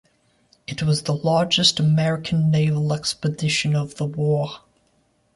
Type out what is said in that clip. It was the largest American naval expedition of the war.